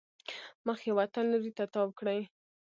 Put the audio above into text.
مخ یې وطن لوري ته تاو کړی.